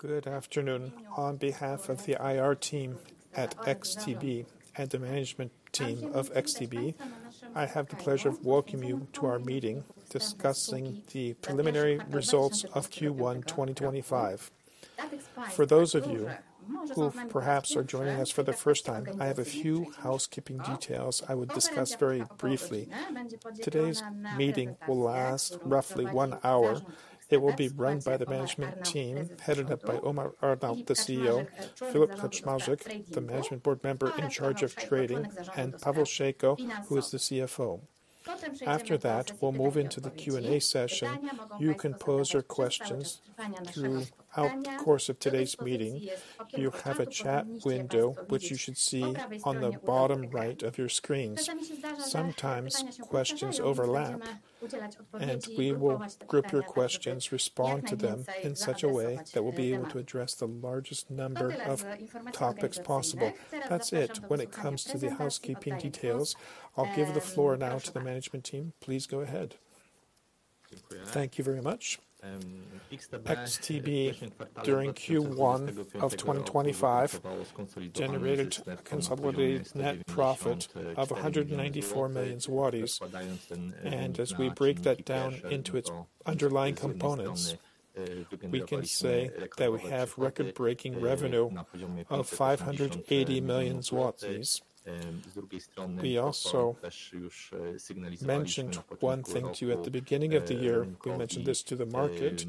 Good afternoon. On behalf of the IR team at XTB and the management team of XTB, I have the pleasure of welcoming you to our meeting discussing the preliminary results of Q1 2025. For those of you who perhaps are joining us for the first time, I have a few housekeeping details I will discuss very briefly. Today's meeting will last roughly one hour. It will be run by the management team headed up by Omar Arnaout, the CEO, Filip Kaczmarzyk, the management board member in charge of trading, and Paweł Szejko, who is the CFO. After that, we'll move into the Q&A session. You can pose your questions throughout the course of today's meeting. You have a chat window, which you should see on the bottom right of your screens. Sometimes questions overlap, we will group your questions, respond to them in such a way that we'll be able to address the largest number of topics possible. That's it when it comes to the housekeeping details. I'll give the floor now to the management team. Please go ahead. Thank you very much. XTB, during Q1 of 2025, generated a consolidated net profit of 194 million zlotys. As we break that down into its underlying components, we can say that we have record-breaking revenue of 580 million zlotys. We also mentioned one thing to you at the beginning of the year, we mentioned this to the market.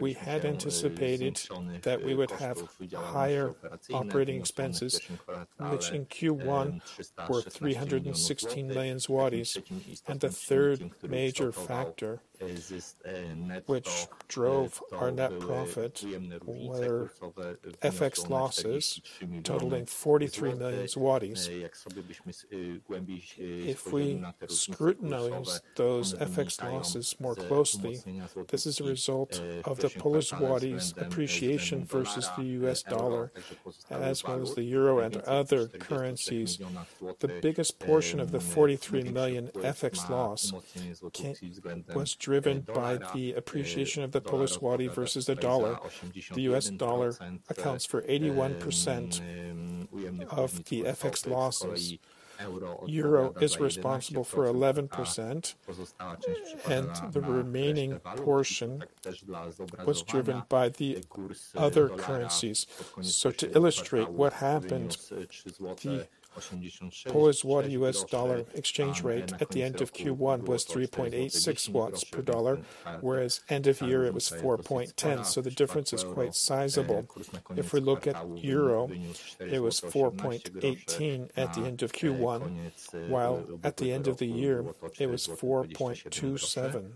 We had anticipated that we would have higher operating expenses, which in Q1 were 316 million zlotys. The third major factor which drove our net profit were FX losses totaling 43 million. If we scrutinize those FX losses more closely, this is a result of the Polish zloty appreciation versus the US dollar, as well as the EUR and other currencies. The biggest portion of the 43 million FX loss was driven by the appreciation of the Polish zloty versus the dollar. The US dollar accounts for 81% of the FX losses. EUR is responsible for 11%, and the remaining portion was driven by the other currencies. To illustrate what happened, the Polish zloty/US dollar exchange rate at the end of Q1 was 3.86 per USD, whereas end of year it was 4.10. The difference is quite sizable. If we look at EUR, it was 4.18 at the end of Q1, while at the end of the year it was 4.27.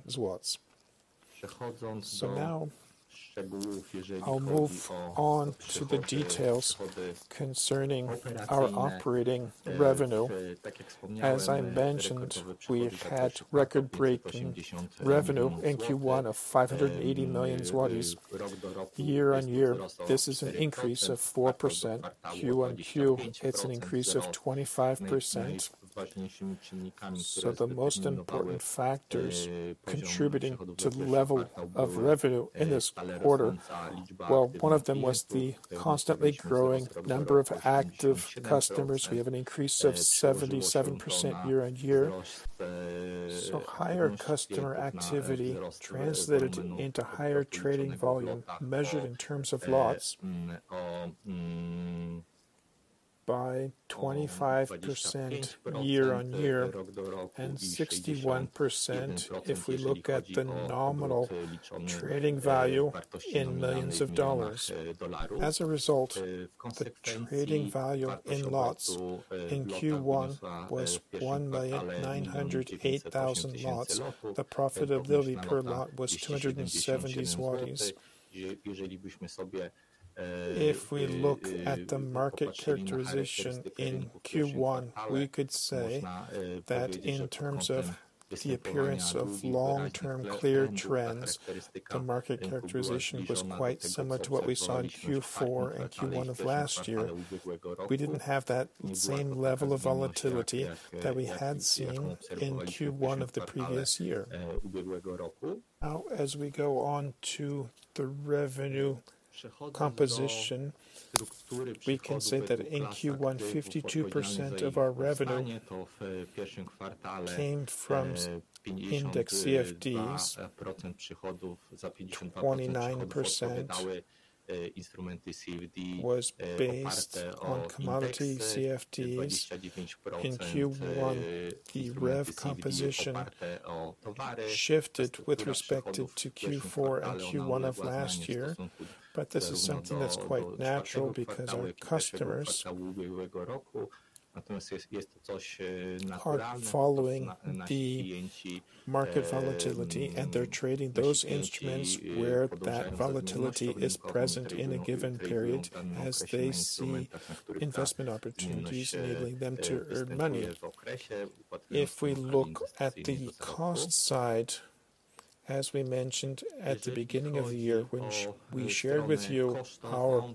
Now I'll move on to the details concerning our operating revenue. As I mentioned, we've had record-breaking revenue in Q1 of 580 million zlotys year-on-year. This is an increase of 4%. Q-on-Q, it's an increase of 25%. The most important factors contributing to the level of revenue in this order. Well, one of them was the constantly growing number of active customers. We have an increase of 77% year-on-year. Higher customer activity translated into higher trading volume measured in terms of lots, by 25% year-on-year and 61% if we look at the nominal trading value in millions of dollars. As a result, the trading value in lots in Q1 was 1,908,000 lots. The profitability per lot was 270 zlotys. If we look at the market characterization in Q1, we could say that in terms of the appearance of long-term clear trends, the market characterization was quite similar to what we saw in Q4 and Q1 of last year. We didn't have that same level of volatility that we had seen in Q1 of the previous year. Now, as we go on to the revenue composition, we can say that in Q1, 52% of our revenue came from index CFDs, 29% was based on commodity CFDs. In Q1, the rev composition shifted with respect to Q4 and Q1 of last year. This is something that's quite natural because our customers are following the market volatility, and they're trading those instruments where that volatility is present in a given period as they see investment opportunities enabling them to earn money. If we look at the cost side. As we mentioned at the beginning of the year, which we shared with you, our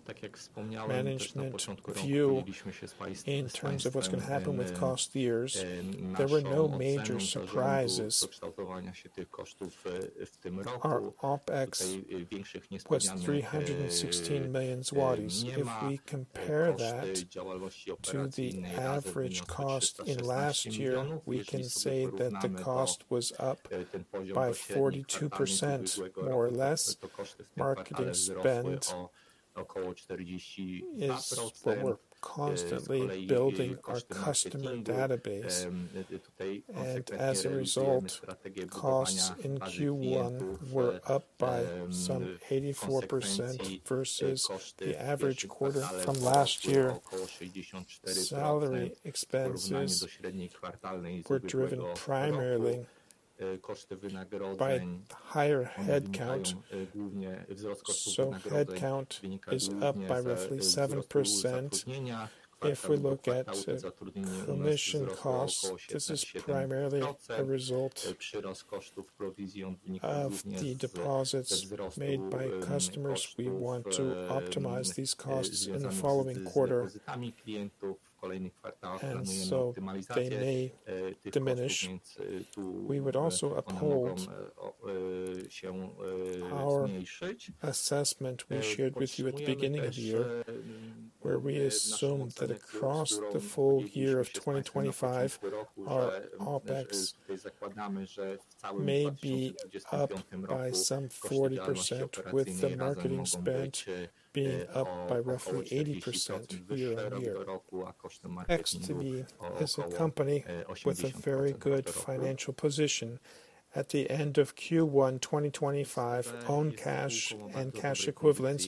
management view in terms of what's going to happen with cost years, there were no major surprises. Our OPEX was 316 million. If we compare that to the average cost in last year, we can say that the cost was up by 42%, more or less. Marketing spend is what we're constantly building our customer database, and as a result, costs in Q1 were up by some 84% versus the average quarter from last year. Salary expenses were driven primarily by higher headcount, so headcount is up by roughly 7%. If we look at commission costs, this is primarily a result of the deposits made by customers. We want to optimize these costs in the following quarter, and so they may diminish. We would also uphold our assessment we shared with you at the beginning of the year, where we assumed that across the full year of 2025, our OPEX may be up by some 40%, with the marketing spend being up by roughly 80% year-on-year. XTB is a company with a very good financial position. At the end of Q1 2025, own cash and cash equivalents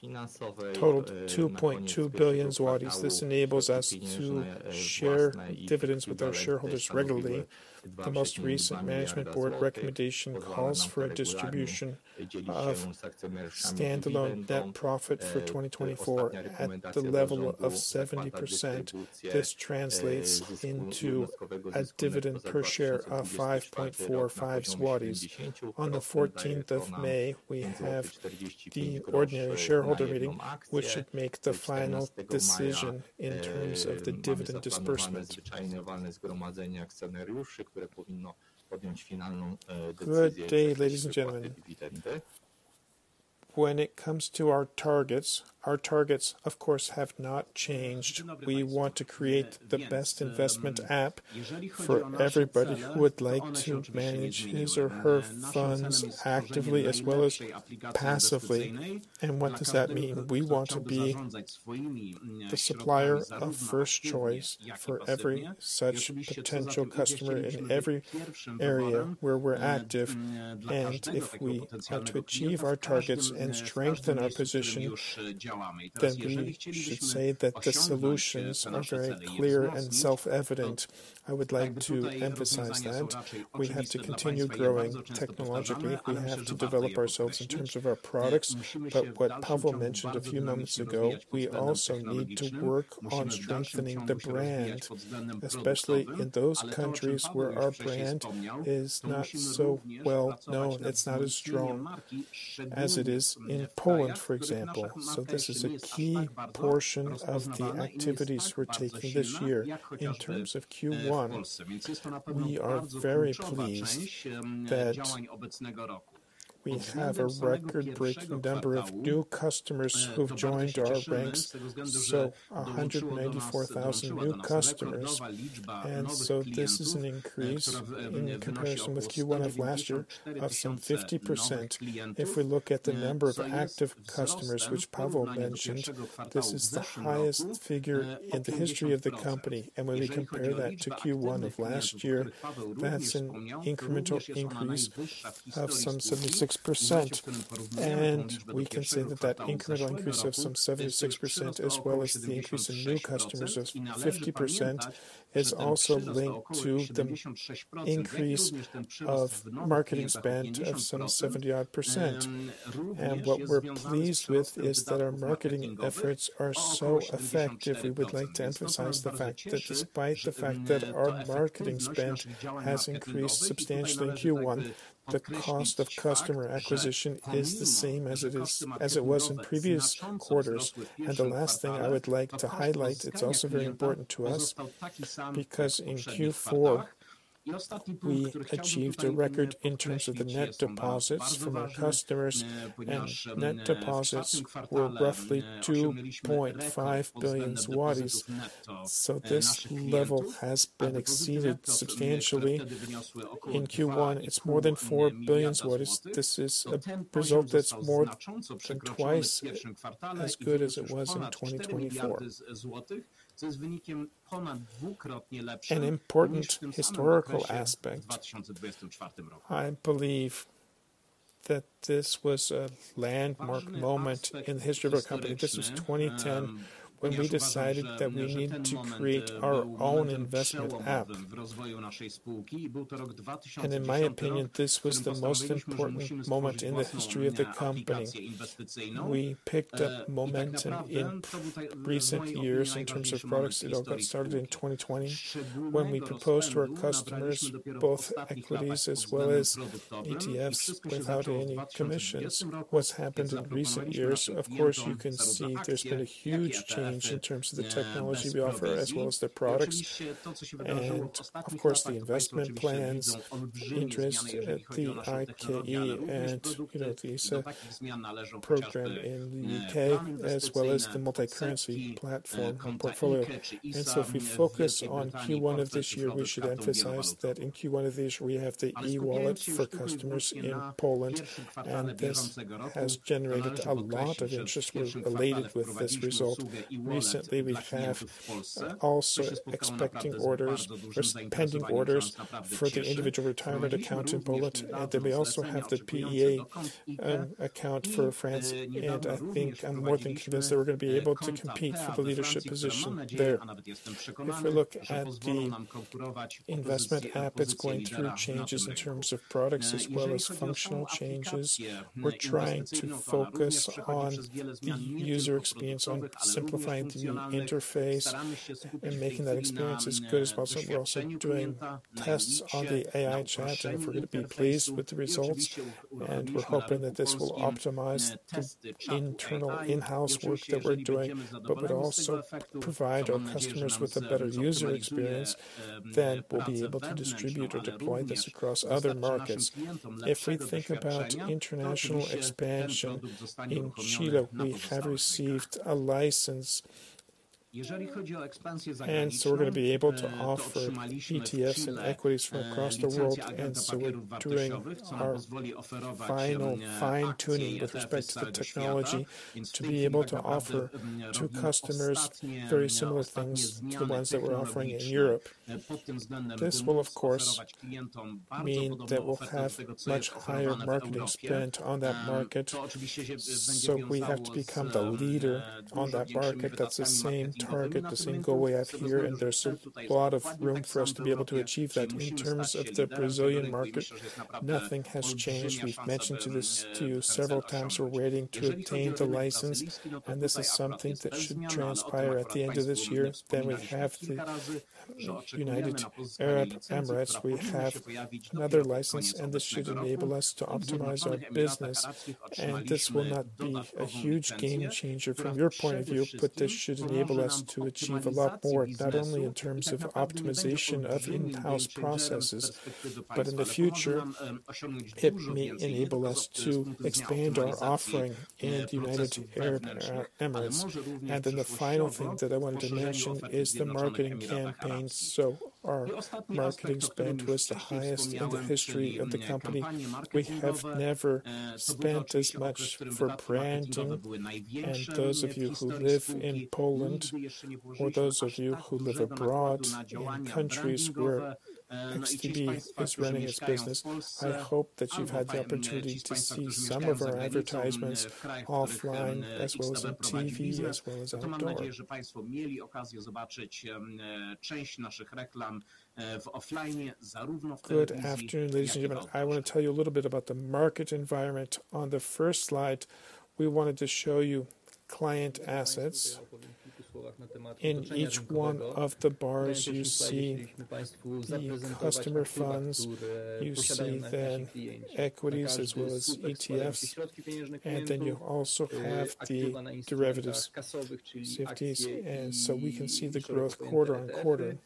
totaled 2.2 billion zlotys. This enables us to share dividends with our shareholders regularly. The most recent management board recommendation calls for a distribution of standalone net profit for 2024 at the level of 70%. This translates into a dividend per share of 5.45 zlotys. On the 14th of May, we have the ordinary shareholder meeting, which should make the final decision in terms of the dividend disbursement. Good day, ladies and gentlemen. When it comes to our targets, our targets of course have not changed. We want to create the best investment app for everybody who would like to manage his or her funds actively as well as passively. What does that mean? We want to be the supplier of first choice for every such potential customer in every area where we're active, and if we are to achieve our targets and strengthen our position, then we should say that the solutions are very clear and self-evident. I would like to emphasize that we have to continue growing technologically. We have to develop ourselves in terms of our products. What Paweł mentioned a few minutes ago, we also need to work on strengthening the brand, especially in those countries where our brand is not so well-known. It's not as strong as it is in Poland, for example. This is a key portion of the activities we're taking this year. In terms of Q1, we are very pleased that we have a record-breaking number of new customers who've joined our ranks, 194,000 new customers. This is an increase in comparison with Q1 of last year of some 50%. If we look at the number of active customers, which Paweł mentioned, this is the highest figure in the history of the company. When we compare that to Q1 of last year, that's an incremental increase of some 76%. We can say that incremental increase of some 76%, as well as the increase in new customers of 50%, is also linked to the increase of marketing spend of some 70-odd%. What we're pleased with is that our marketing efforts are so effective. We would like to emphasize the fact that despite the fact that our marketing spend has increased substantially in Q1, the cost of customer acquisition is the same as it was in previous quarters. The last thing I would like to highlight, it's also very important to us, because in Q4, we achieved a record in terms of the net deposits from our customers, net deposits were roughly 2.5 billion zlotys. This level has been exceeded substantially. In Q1, it's more than 4 billion zlotys. This is a result that's more than twice as good as it was in 2024. An important historical aspect, I believe that this was a landmark moment in the history of our company. This was 2010, when we decided that we needed to create our own investment app. In my opinion, this was the most important moment in the history of the company. We picked up momentum in recent years in terms of products. It all got started in 2020, when we proposed to our customers both equities as well as ETFs without any commissions. What's happened in recent years, of course, you can see there's been a huge change in terms of the technology we offer as well as the products. The Investment Plans, interest at the IKE and the ISA program in the U.K., as well as the multi-currency platform and portfolio. If we focus on Q1 of this year, we should emphasize that in Q1 of this, we have the eWallet for customers in Poland, this has generated a lot of interest related with this result. Recently, we have also recurring payments or pending orders for the Individual Retirement Account in Poland, we also have the PEA account for France. I think I'm more than convinced that we're going to be able to compete for the leadership position there. If we look at the investment app, it's going through changes in terms of products as well as functional changes. We're trying to focus on the user experience, on simplifying the new interface and making that experience as good as possible. We're also doing tests on the AI chat, we're going to be pleased with the results, we're hoping that this will optimize the internal in-house work that we're doing, would also provide our customers with a better user experience, we'll be able to distribute or deploy this across other markets. If we think about international expansion, in Chile, we have received a license. We're going to be able to offer ETFs and equities from across the world. We're doing our final fine-tuning with respect to the technology to be able to offer to customers very similar things to the ones that we're offering in Europe. This will, of course, mean that we'll have much higher marketing spend on that market. We have to become the leader on that market. That's the same target, the same goal we have here. There's a lot of room for us to be able to achieve that. In terms of the Brazilian market, nothing has changed. We've mentioned this to you several times. We're waiting to obtain the license. This is something that should happen at the end of this year. We have the United Arab Emirates. We have another license. This should enable us to optimize our business. This will not be a huge game changer from your point of view, but this should enable us to achieve a lot more, not only in terms of optimization of in-house processes, but in the future, it may enable us to expand our offering in the United Arab Emirates. The final thing that I wanted to mention is the marketing campaign. Our marketing spend was the highest in the history of the company. We have never spent as much for branding. Those of you who live in Poland or those of you who live abroad in countries where XTB is running its business, I hope that you've had the opportunity to see some of our advertisements offline as well as in TV, as well as outdoor. Good afternoon, ladies and gentlemen. I want to tell you a little bit about the market environment. On the first slide, we wanted to show you client assets. In each one of the bars, you see the customer funds, you see then equities as well as ETFs. You also have the derivatives securities. We can see the growth quarter-on-quarter.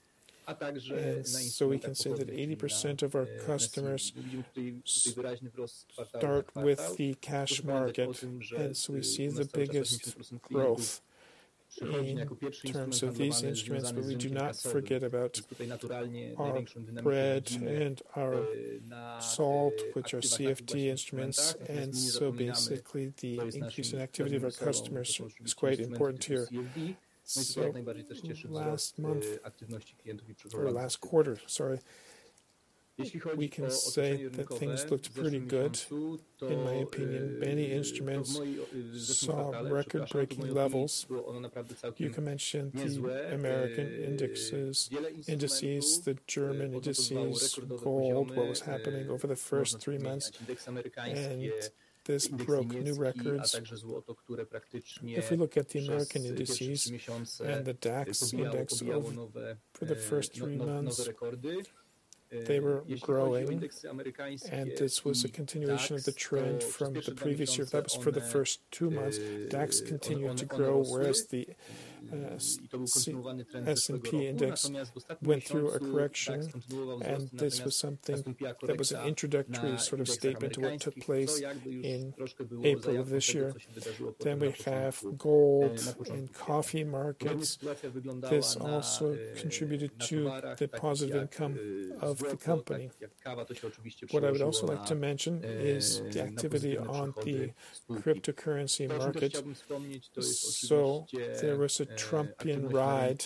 We can say that 80% of our customers start with the cash market. We see the biggest growth in terms of these instruments. We do not forget about our bread and our salt, which are CFD instruments. Basically, the increasing activity of our customers is quite important here. Last month, or last quarter, sorry, we can say that things looked pretty good in my opinion. Many instruments saw record-breaking levels. You can mention the American indices, the German indices, gold, what was happening over the first three months. This broke new records. If we look at the American indices and the DAX index for the first three months, they were growing. This was a continuation of the trend from the previous year. For the two months, DAX continued to grow, whereas the S&P index went through a correction, and this was something that was an introductory sort of statement to what took place in April of this year. We have gold and coffee markets. This also contributed to the positive income of the company. What I would also like to mention is the activity on the cryptocurrency market. There was a Trump rally,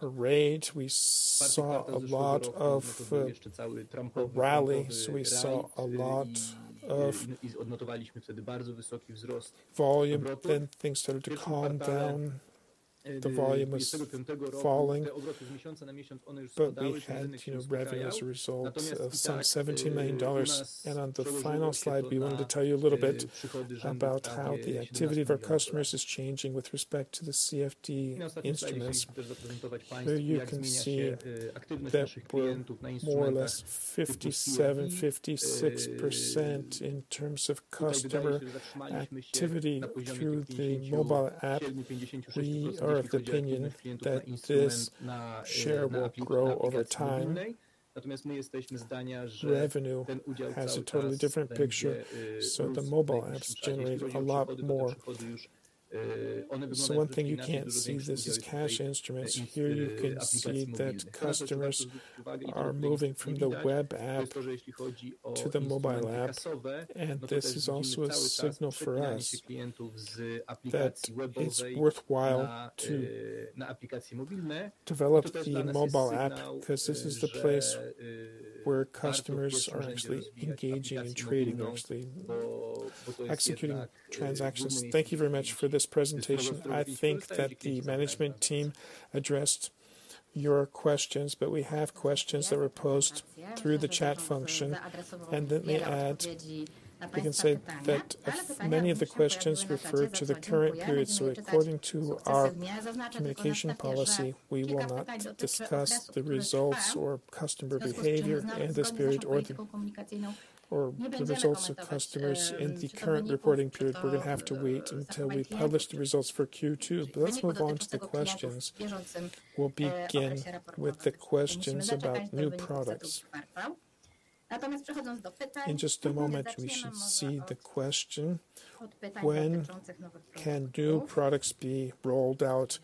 a rage. We saw a lot of rallies. We saw a lot of volume, then things started to calm down. The volume is falling, but we had revenue as a result of some $17 million. On the final slide, we wanted to tell you a little bit about how the activity of our customers is changing with respect to the CFD instruments. Here you can see that we're more or less 57%, 56% in terms of customer activity through the mobile app. We are of the opinion that this share will grow over time. Revenue has a totally different picture. The mobile apps generate a lot more. One thing you can't see, this is cash instruments. Here you can see that customers are moving from the web app to the mobile app, and this is also a signal for us that it's worthwhile to develop the mobile app because this is the place where customers are actually engaging and trading, actually executing transactions. Thank you very much for this presentation. I think that the management team addressed your questions, but we have questions that were posed through the chat function and let me add, we can say that many of the questions refer to the current period. According to our communication policy, we will not discuss the results or customer behavior in this period or the results of customers in the current reporting period. We're going to have to wait until we publish the results for Q2. Let's move on to the questions. We'll begin with the questions about new products. In just a moment, we should see the question, when can new products be rolled out,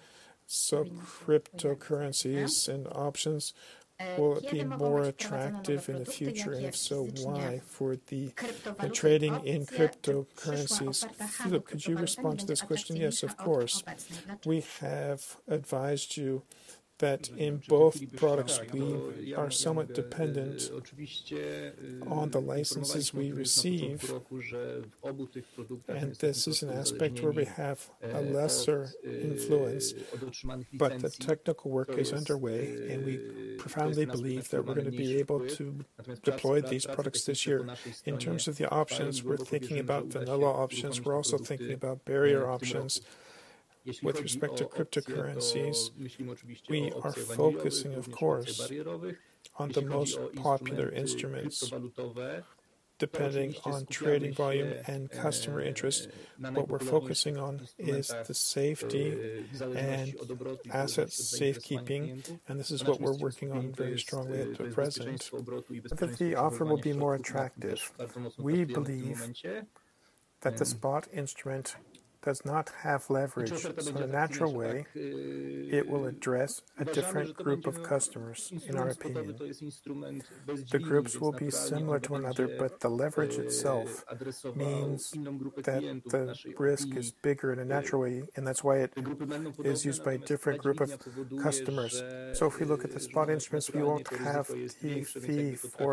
so cryptocurrencies and options, will it be more attractive in the future? If so, why for the trading in cryptocurrencies? Filip, could you respond to this question? Yes, of course. We have advised you that in both products, we are somewhat dependent on the licenses we receive, and this is an aspect where we have a lesser influence. The technical work is underway, and I profoundly believe that we're going to be able to deploy these products this year. In terms of the options, we're thinking about vanilla options. We're also thinking about barrier options. With respect to cryptocurrencies, we are focusing of course, on the most popular instruments, depending on trading volume and customer interest. What we're focusing on is the safety and asset safekeeping, and this is what we're working on very strongly at present, that the offer will be more attractive. We believe that the spot instrument does not have leverage, so naturally, it will address a different group of customers in our opinion. The groups will be similar to another, but the leverage itself means that the risk is bigger in a natural way, and that's why it is used by a different group of customers. If we look at the spot instruments, we won't have the fee for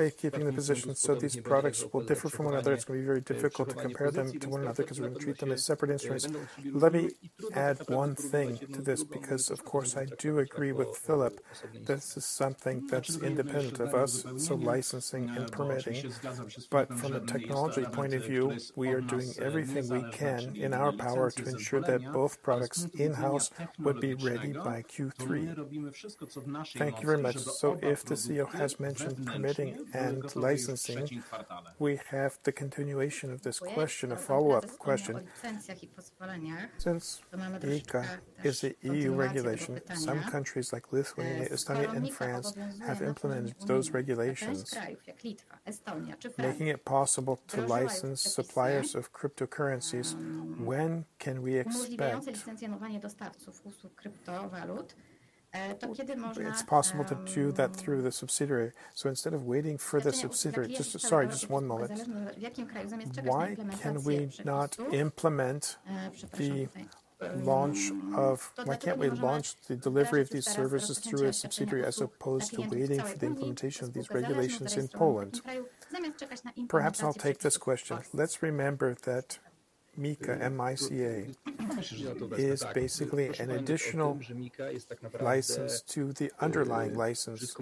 safekeeping the positions, so these products will differ from one another. It's going to be very difficult to compare them to one another because we're going to treat them as separate instruments. Let me add one thing to this, because of course I do agree with Filip, this is something that's independent of us, licensing and permitting. From the technology point of view, we are doing everything we can in our power to ensure that both products in-house will be ready by Q3. Thank you very much. After the CEO has mentioned permitting and licensing, we have the continuation of this question, a follow-up question. Since MiCA is an EU regulation, some countries like Lithuania, Estonia and France have implemented those regulations, making it possible to license suppliers of cryptocurrencies. When can we expect? It's possible to do that through the subsidiary. Instead of waiting for the subsidiary, sorry, just one moment. Why can't we launch the delivery of these services through a subsidiary as opposed to waiting for the implementation of these regulations in Poland? Perhaps I'll take this question. Let's remember that MiCA, M-I-C-A, is basically an additional license to the underlying license.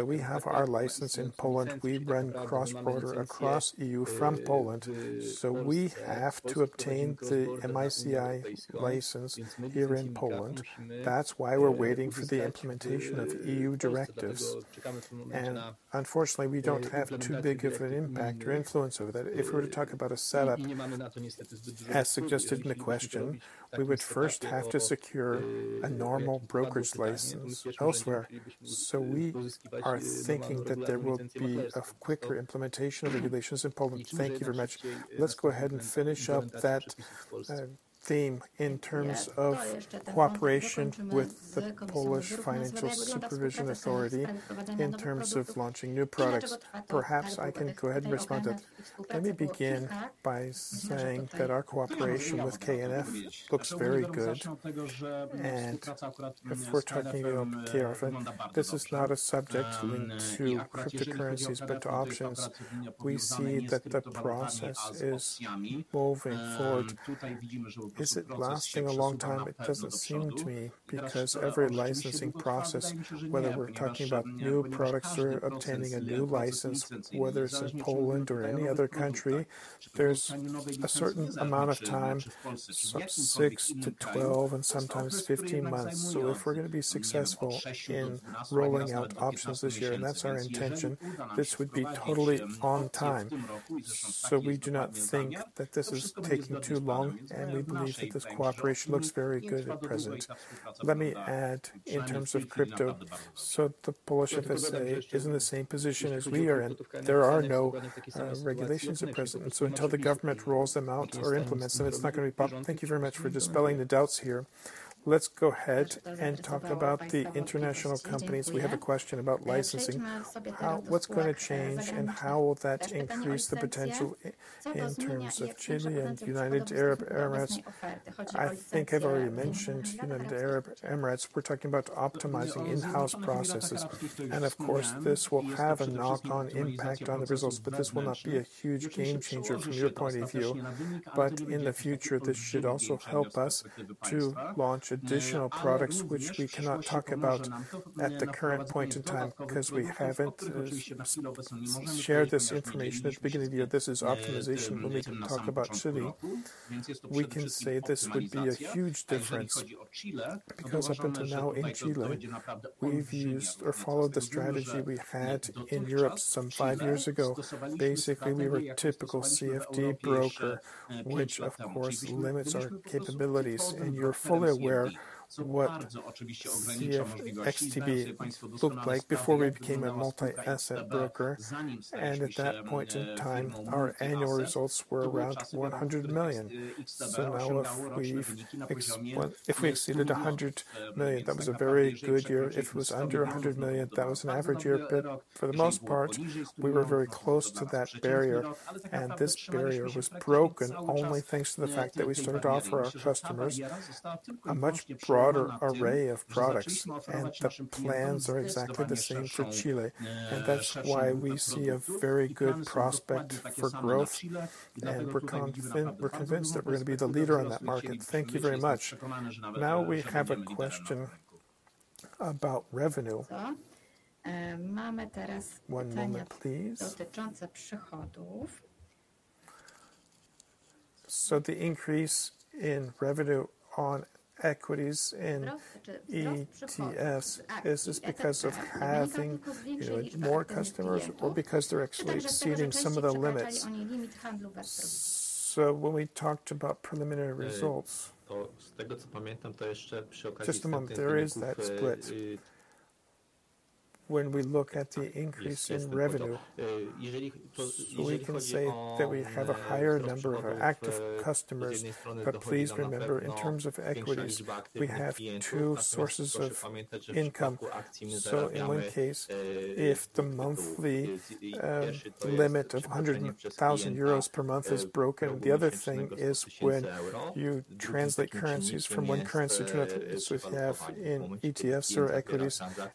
We have our license in Poland. We run cross-border across EU from Poland. We have to obtain the MiCA license here in Poland. That's why we're waiting for the implementation of EU directives. Unfortunately, we don't have too big of an impact or influence over that. If we were to talk about a setup, as suggested in the question, we would first have to secure a normal brokerage license elsewhere. We are thinking that there will be a quicker implementation of the regulations in Poland. Thank you very much. Let's go ahead and finish up that theme in terms of cooperation with the Polish Financial Supervision Authority in terms of launching new products. Perhaps I can go ahead and respond to that. Let me begin by saying that our cooperation with KNF looks very good, and if we're talking about KNF, this is not a subject linked to cryptocurrencies, but to options. We see that the process is moving forward. Is it lasting a long time? It doesn't seem to me, because every licensing process, whether we're talking about new products or obtaining a new license, whether it's in Poland or any other country, there's a certain amount of time, some 6 to 12 and sometimes 15 months. If we're going to be successful in rolling out options this year, and that's our intention, this would be totally on time. We do not think that this is taking too long, and we believe that this cooperation looks very good at present. Let me add, in terms of crypto, the Polish FSA is in the same position as we are in. There are no regulations at present, until the government rolls them out or implements them, it's not going to be possible. Thank you very much for dispelling the doubts here. Let's go ahead and talk about the international companies. We have a question about licensing. What's going to change, and how will that increase the potential in terms of Chile and United Arab Emirates? I think I've already mentioned the Arab Emirates. We're talking about optimizing in-house processes. Of course, this will have a knock-on impact on the results, but this will not be a huge game changer from your point of view. In the future, this should also help us to launch additional products, which we cannot talk about at the current point in time because we haven't shared this information at the beginning of the year. This is optimization when we talk about Chile. We can say this would be a huge difference, because up until now in Chile, we've used or followed the strategy we had in Europe some five years ago. Basically, we were a typical CFD broker, which of course limits our capabilities. You're fully aware what XTB looked like before we became a multi-asset broker, and at that point in time, our annual results were around 100 million. Now if we exceeded 100 million, that was a very good year. If it was under 100 million, that was an average year. For the most part, we were very close to that barrier, and this barrier was broken only thanks to the fact that we started to offer our customers a much broader array of products, and the plans are exactly the same for Chile, and that's why we see a very good prospect for growth, and we're convinced that we're going to be the leader in that market. Thank you very much. Now we have a question about revenue. One moment, please. The increase in revenue on equities in ETFs, is this because of having more customers or because they're actually exceeding some of the limits? When we talked about preliminary results. Just a moment. There is that split. When we look at the increase in revenue, we can say that we have a higher number of active customers. Please remember, in terms of equities, we have two sources of income. In one case, if the monthly limit of 100,000 euros per month is broken, the other thing is when you translate currencies from one currency to another, if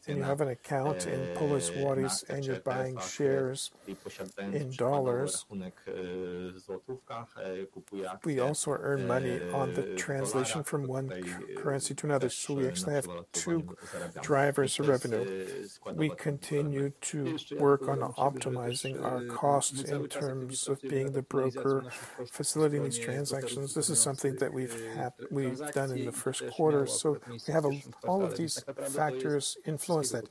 you have in ETFs or equities, and you have an account in Polish zlotys and you're buying shares in USD, we also earn money on the translation from one currency to another. We actually have two drivers of revenue. We continue to work on optimizing our costs in terms of being the broker facilitating these transactions. This is something that we've done in the first quarter. All of these factors influence that.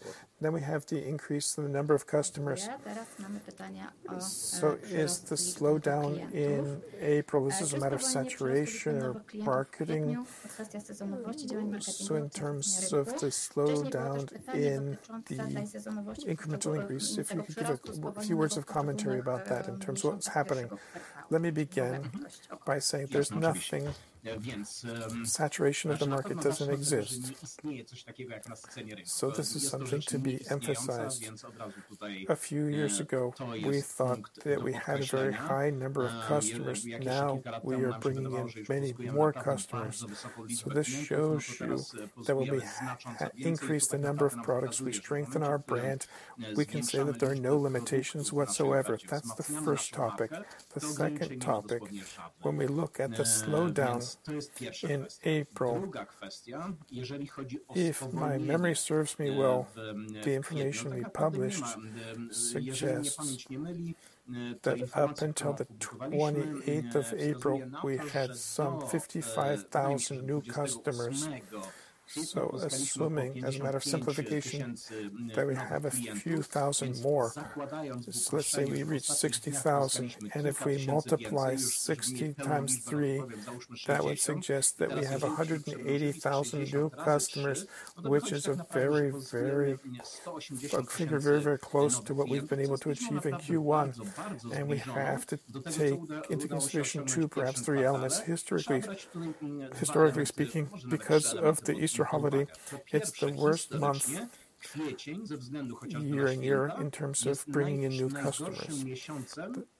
We have the increase in the number of customers. Is the slowdown in April, is this a matter of saturation or marketing? In terms of the slowdown in the incremental increase, if you could give a few words of commentary about that in terms of what's happening. Let me begin by saying Saturation of the market doesn't exist. This is something to be emphasized. A few years ago, we thought that we had a very high number of customers. Now we are bringing in many more customers. This shows you that we'll increase the number of products. We strengthen our brand. We can say that there are no limitations whatsoever. That's the first topic. The second topic, when we look at the slowdown in April, if my memory serves me well, the information we published suggests that up until the 28th of April, we had some 55,000 new customers. Assuming, as a matter of simplification, that we have a few thousand more, let's say we reach 60,000. If we multiply 60 times 3, that would suggest that we have 180,000 new customers, which is very close to what we've been able to achieve in Q1. We have to take into consideration two, perhaps three elements. Historically speaking, because of the Easter holiday, it's the worst month year-on-year in terms of bringing in new customers.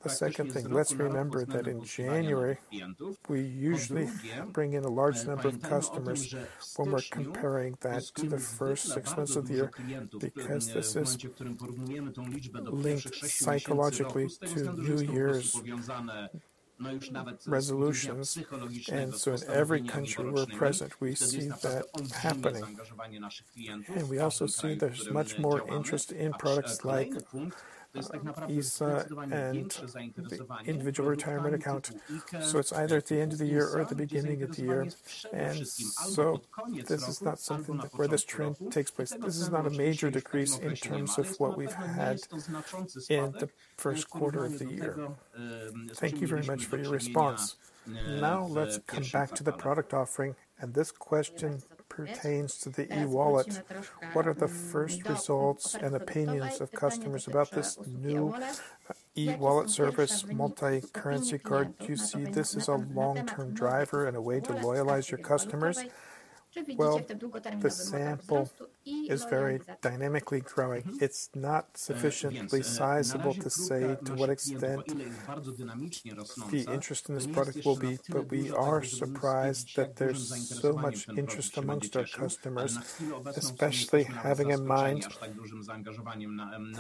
The second thing, let's remember that in January, we usually bring in a large number of customers when we're comparing that to the first 6 months of the year, because this is linked psychologically to New Year's resolutions. In every country we're present, we see that happening. We also see there's much more interest in products like ISA and the Individual Retirement Account. It's either at the end of the year or at the beginning of the year. This is not something where this trend takes place. This is not a major decrease in terms of what we've had in the first quarter of the year. Thank you very much for your response. Now let's come back to the product offering, and this question pertains to the eWallet. What are the first results and opinions of customers about this new eWallet service multi-currency card? Do you see this as a long-term driver and a way to loyalize your customers? Well, the sample is very dynamically growing. It's not sufficiently sizable to say to what extent the interest in this product will be, but we are surprised that there's so much interest among our customers, especially having in mind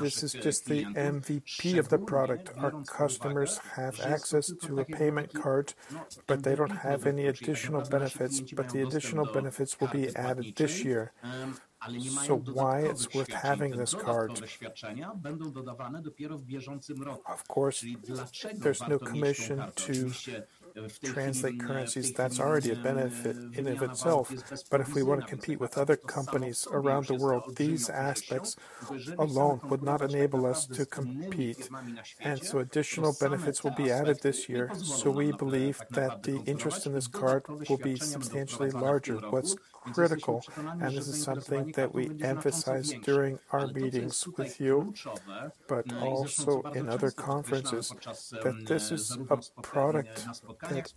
this is just the MVP of the product. Our customers have access to a payment card, but they don't have any additional benefits, but the additional benefits will be added this year. Why it's worth having this card? Of course, there's no commission to translate currencies. That's already a benefit in of itself. But if we want to compete with other companies around the world, these aspects alone would not enable us to compete. Additional benefits will be added this year, so we believe that the interest in this card will be substantially larger. What's critical, this is something that we emphasize during our meetings with you, but also in other conferences, that this is a product that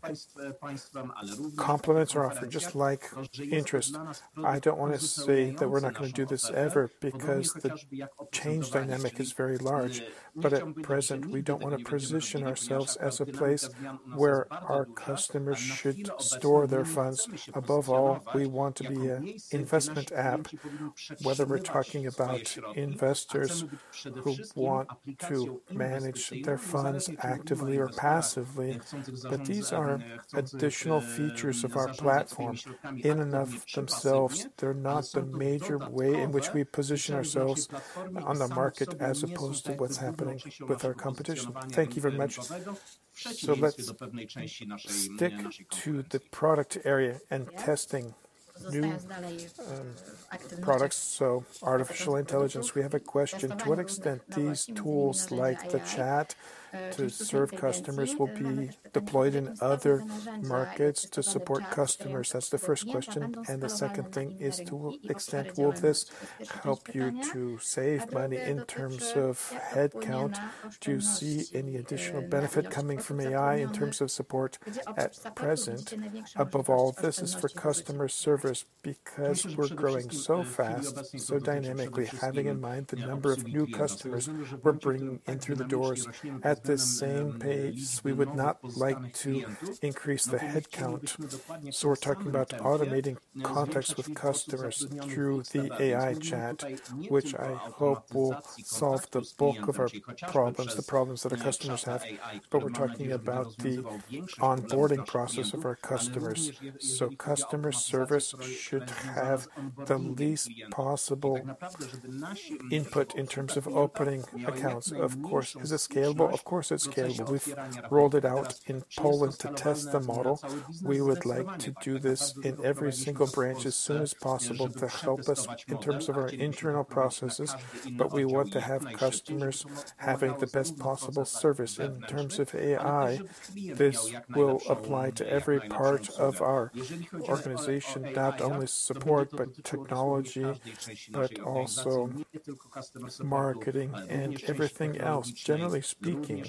complements our offering, just like interest. I don't want to say that we're not going to do this ever because the change dynamic is very large. At present, we don't want to position ourselves as a place where our customers should store their funds. Above all, we want to be an investment app, whether we're talking about investors who want to manage their funds actively or passively, that these are additional features of our platform. In and of themselves, they're not the major way in which we position ourselves on the market as opposed to what's happening with our competition. Thank you very much. Let's stick to the product area and testing new products, so artificial intelligence. We have a question. To what extent these tools like the chat to serve customers will be deployed in other markets to support customers? That's the first question. The second thing is to what extent will this help you to save money in terms of headcount? Do you see any additional benefit coming from AI in terms of support? At present, above all, this is for customer service because we're growing so fast, so dynamically, having in mind the number of new customers we're bringing in through the doors at this same pace. We would not like to increase the headcount. We're talking about automating contacts with customers through the AI chat, which I hope will solve the bulk of our problems, the problems that our customers have. We're talking about the onboarding process of our customers. Customer service should have the least possible input in terms of opening accounts. Of course. Is it scalable? Of course, it's scalable. We've rolled it out in Poland to test the model. We would like to do this in every single branch as soon as possible to help us in terms of our internal processes, we want to have customers having the best possible service. In terms of AI, this will apply to every part of our organization, not only support, but technology, but also marketing and everything else. Generally speaking,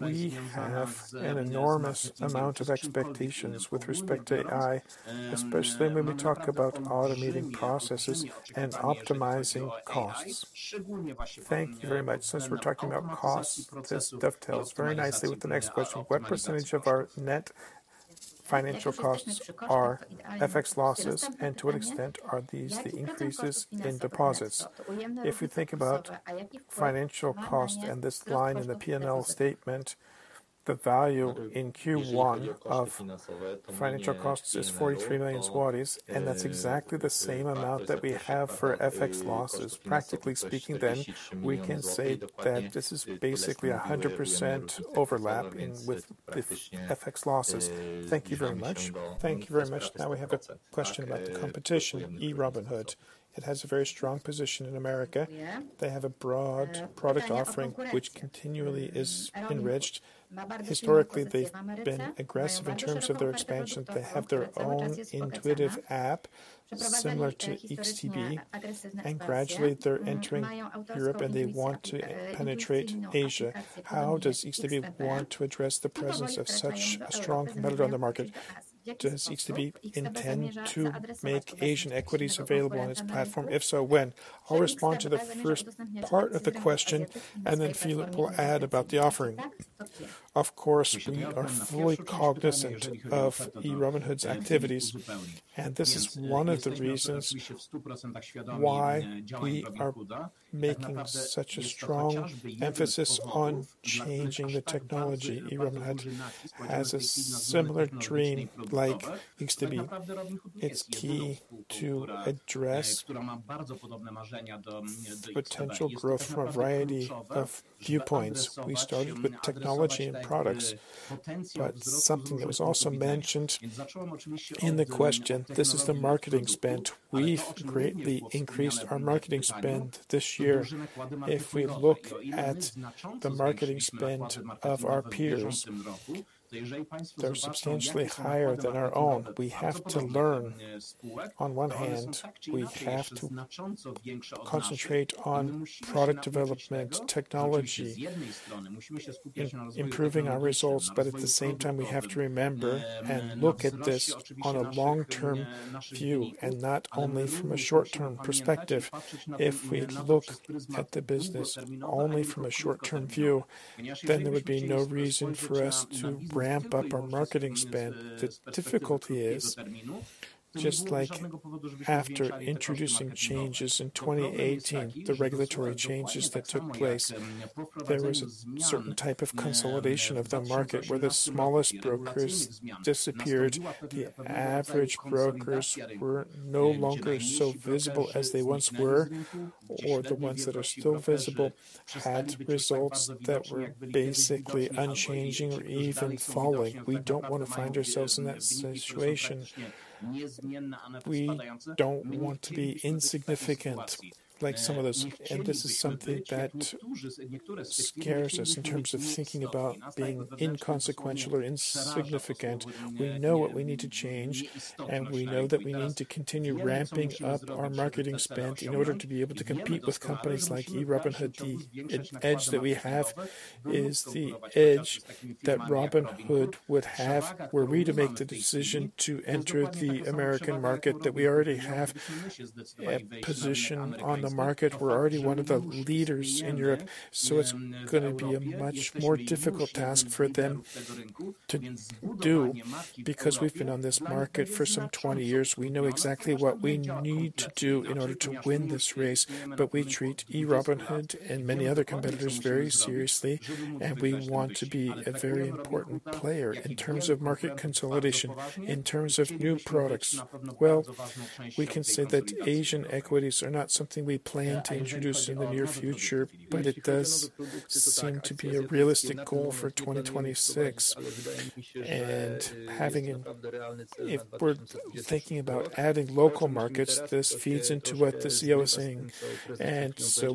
we have an enormous amount of expectations with respect to AI, especially when we talk about automating processes and optimizing costs. Thank you very much. We're talking about costs, this dovetails very nicely with the next question. What percentage of our net financial costs are FX losses, and to what extent are these the increases in deposits? If you think about financial cost and this line in the P&L statement. The value in Q1 of financial costs is 43 million zlotys, and that's exactly the same amount that we have for FX losses. Practically speaking, we can say that this is basically 100% overlapping with the FX losses. Thank you very much. Thank you very much. We have a question about the competition, eToro. It has a very strong position in America. They have a broad product offering, which continually is enriched. Historically, they've been aggressive in terms of their expansion. They have their own intuitive app similar to XTB, and gradually they're entering Europe, and they want to penetrate Asia. How does XTB want to address the presence of such a strong competitor on the market? Does XTB intend to make Asian equities available on its platform? If so, when? I'll respond to the first part of the question, then Filip will add about the offering. We are fully cognizant of eToro's activities, this is one of the reasons why we are making such a strong emphasis on changing the technology. eToro has a similar dream like XTB. It's key to address potential growth from a variety of viewpoints. We started with technology and products, something that was also mentioned in the question, this is the marketing spend. We've greatly increased our marketing spend this year. If we look at the marketing spend of our peers, they're substantially higher than our own. We have to learn, on one hand, we have to concentrate on product development, technology, improving our results, but at the same time, we have to remember and look at this on a long-term view and not only from a short-term perspective. If we look at the business only from a short-term view, there would be no reason for us to ramp up our marketing spend. The difficulty is, just like after introducing changes in 2018, the regulatory changes that took place, there was a certain type of consolidation of the market where the smallest brokers disappeared. The average brokers were no longer so visible as they once were, or the ones that are still visible had results that were basically unchanging or even falling. We don't want to find ourselves in that situation. We don't want to be insignificant like some others, and this is something that scares us in terms of thinking about being inconsequential or insignificant. We know what we need to change, and we know that we need to continue ramping up our marketing spend in order to be able to compete with companies like eToro. The edge that we have is the edge that eToro would have were we to make the decision to enter the U.S. market, that we already have a position on the market. We're already one of the leaders in Europe, it's going to be a much more difficult task for them to do, because we've been on this market for some 20 years. We know exactly what we need to do in order to win this race. We treat eToro and many other competitors very seriously, and we want to be a very important player in terms of market consolidation, in terms of new products. We can say that Asian equities are not something we plan to introduce in the near future, but it does seem to be a realistic goal for 2026. If we're thinking about adding local markets, this feeds into what the CEO is saying,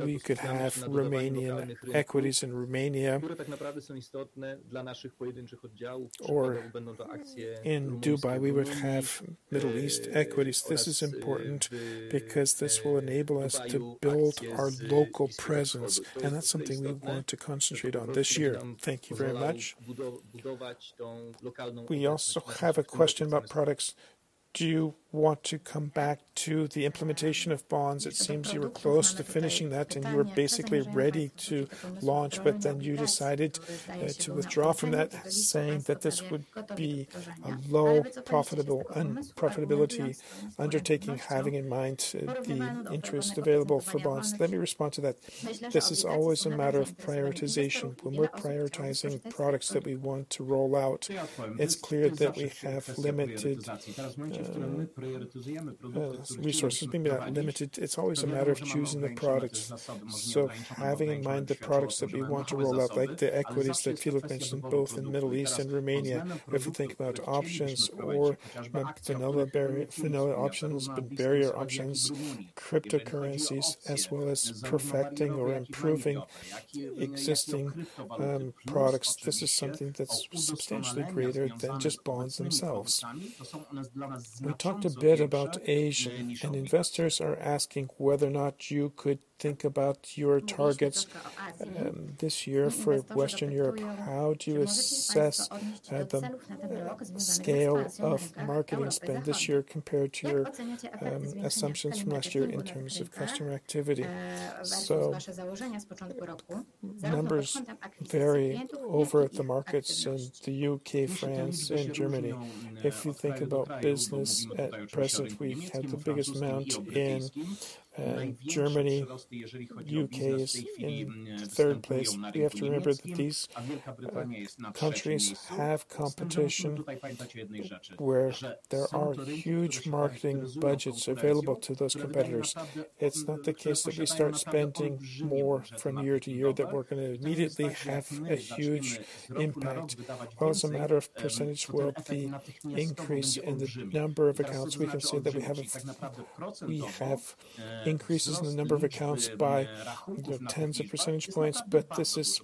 we could have Romanian equities in Romania, or in Dubai, we would have Middle East equities. This is important because this will enable us to build our local presence, and that's something we want to concentrate on this year. Thank you very much. We also have a question about products. Do you want to come back to the implementation of bonds? It seems you were close to finishing that and you were basically ready to launch, you decided to withdraw from that, saying that this would be a low profitability undertaking, having in mind the interest available for bonds. Let me respond to that. This is always a matter of prioritization. When we're prioritizing products that we want to roll out, it's clear that we have limited resources. Maybe not limited, it's always a matter of choosing the products. Having in mind the products that we want to roll out, like the equities that Filip mentioned, both in Middle East and Romania. If we think about options or not vanilla options, but barrier options, cryptocurrencies, as well as perfecting or improving existing products, this is something that's substantially greater than just bonds themselves. We talked a bit about Asia, and investors are asking whether or not you could think about your targets this year for Western Europe. How do you assess the scale of marketing spend this year compared to your assumptions from last year in terms of customer activity? Numbers vary over at the markets in the U.K., France, and Germany. If you think about business at present, we've had the biggest amount in Germany. U.K. is in third place. You have to remember that these countries have competition where there are huge marketing budgets available to those competitors. It's not the case that we start spending more from year to year, that we're going to immediately have a huge impact. While it's a matter of percentage, well, the increase in the number of accounts, we can say that we have increases in the number of accounts by tens of percentage points, but this is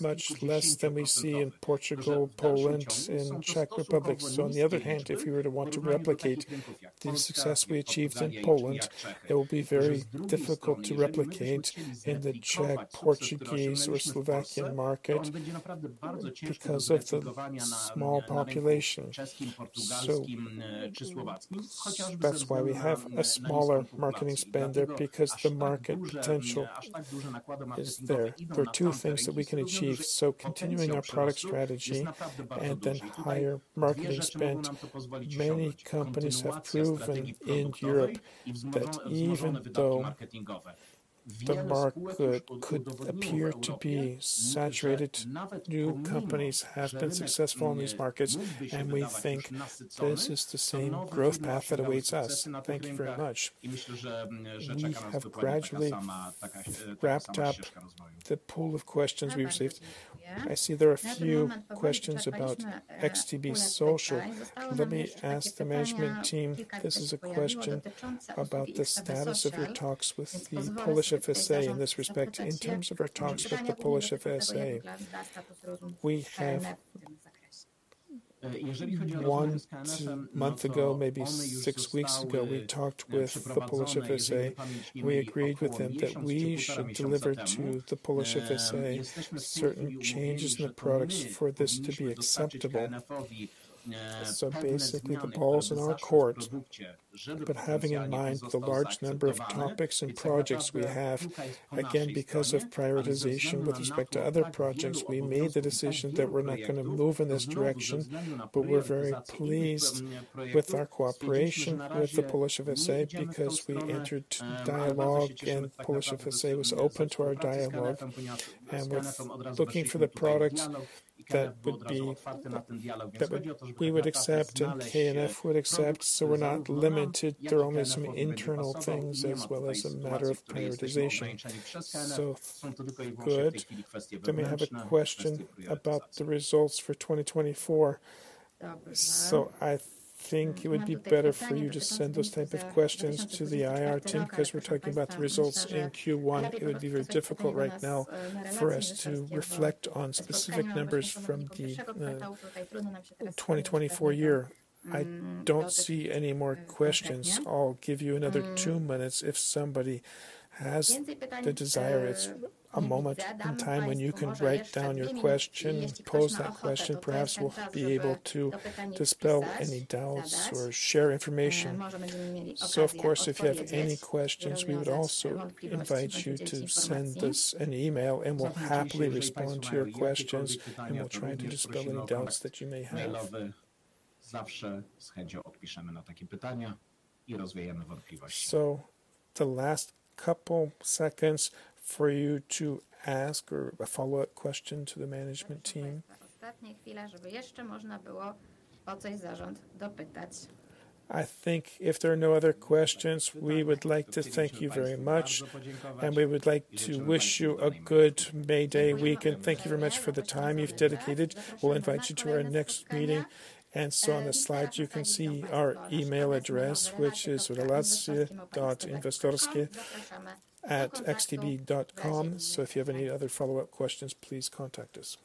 much less than we see in Portugal, Poland, and Czech Republic. On the other hand, if we were to want to replicate the success we achieved in Poland, it will be very difficult to replicate in the Czech, Portuguese, or Slovakian market because of the small population. That's why we have a smaller marketing spend there, because the market potential is there. There are two things that we can achieve. Continuing our product strategy and then higher marketing spend. Many companies have proven in Europe that the market could appear to be saturated. New companies have been successful in these markets, and we think this is the same growth path that awaits us. Thank you very much. We have gradually wrapped up the pool of questions we received. I see there are a few questions about XTB Social. Let me ask the management team, this is a question about the status of your talks with the Polish FSA in this respect. In terms of our talks with the Polish FSA, one month ago, maybe six weeks ago, we talked with the Polish FSA. We agreed with them that we should deliver to the Polish FSA certain changes in the products for this to be acceptable. Basically, the ball's in our court. Having in mind the large number of topics and projects we have, again, because of prioritization with respect to other projects, we made the decision that we're not going to move in this direction. We're very pleased with our cooperation with the Polish FSA because we entered dialogue and Polish FSA was open to our dialogue and was looking for the product that we would accept and KNF would accept. We're not limited. There are only some internal things as well as a matter of prioritization. Good. Then we have a question about the results for 2024. I think it would be better for you to send those type of questions to the IR team because we're talking about the results in Q1. It would be very difficult right now for us to reflect on specific numbers from the 2024 year. I don't see any more questions. I'll give you another two minutes if somebody has the desire. It's a moment in time when you can write down your question, pose that question, perhaps we'll be able to dispel any doubts or share information. Of course, if you have any questions, we would also invite you to send us an email and we'll happily respond to your questions and we'll try to dispel any doubts that you may have. The last couple seconds for you to ask or a follow-up question to the management team. I think if there are no other questions, we would like to thank you very much, and we would like to wish you a good May Day weekend. Thank you very much for the time you've dedicated. We'll invite you to our next meeting. On the slide, you can see our email address, which is relacje.inwestorskie@xtb.com. If you have any other follow-up questions, please contact us.